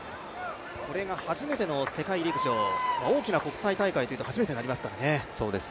これが初めての世界陸上大きな国際大会というと初めてになりますからね。